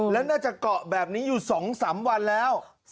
แล้วน่าจะเกาะแบบนี้อยู่๒๓วันแล้ว